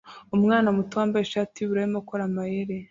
Umwana muto wambaye ishati yubururu arimo akora amayeri